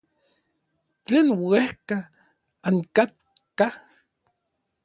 Tlen uejka ankatkaj.